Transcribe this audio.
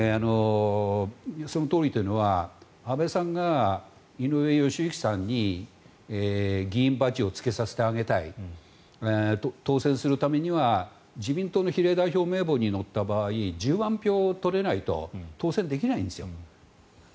そのとおりというのは安倍さんが井上義行さんに議員バッジをつけさせてあげたい当選するためには自民党の比例代表名簿に載った場合１０万票を取れないと当選できないんですよ。